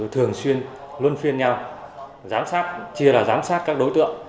thường xuyên luân phiên nhau chia là giám sát các đối tượng